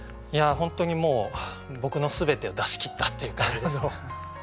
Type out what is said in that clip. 本当にもう僕の全てを出し切ったっていう感じですね。